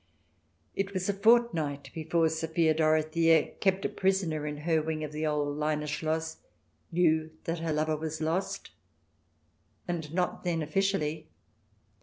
... It was a fortnight before Sophia Dorothea, kept a prisoner in her wing of the old Leine Schloss, knew that her lover was lost. And not then officially.